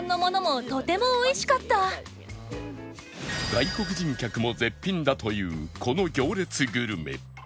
外国人客も絶品だと言うこの行列グルメ